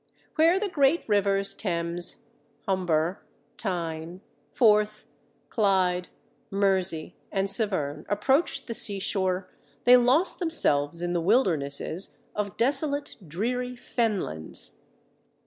Where the great rivers Thames, Humber, Tyne, Forth, Clyde, Mersey, and Severn, approached the seashore they lost themselves in wildernesses of desolate, dreary fenlands.